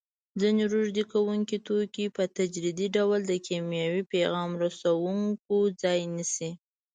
ځینې روږدې کوونکي توکي په تدریجي ډول د کیمیاوي پیغام رسوونکو ځای نیسي.